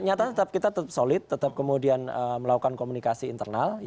nyatanya kita tetap solid tetap kemudian melakukan komunikasi internal